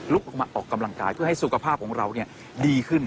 มาออกกำลังกายเพื่อให้สุขภาพของเราดีขึ้น